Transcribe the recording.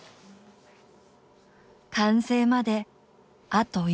完成まであと一歩。